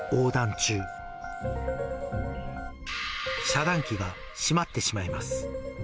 遮断機が閉まってしまいます。